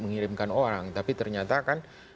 mengirimkan orang tapi ternyata kan